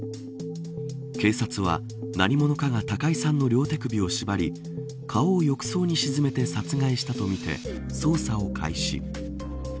警察は、何者かが高井さんの両手首を縛り顔を浴槽に沈めて殺害したとみて捜査を開始。